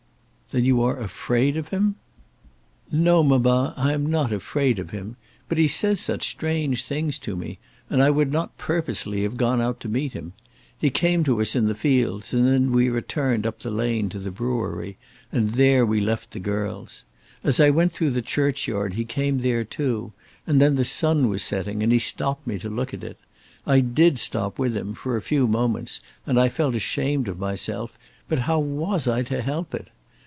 "Then you are afraid of him?" "No, mamma; I am not afraid of him. But he says such strange things to me; and I would not purposely have gone out to meet him. He came to us in the fields, and then we returned up the lane to the brewery, and there we left the girls. As I went through the churchyard he came there too, and then the sun was setting, and he stopped me to look at it; I did stop with him, for a few moments, and I felt ashamed of myself; but how was I to help it?